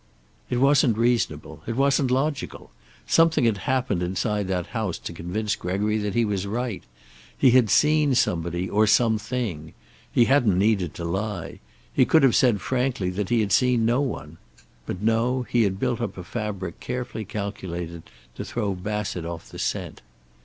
It wasn't reasonable. It wasn't logical. Something had happened inside the house to convince Gregory that he was right. He had seen somebody, or something. He hadn't needed to lie. He could have said frankly that he had seen no one. But no, he had built up a fabric carefully calculated to throw Bassett off the scent.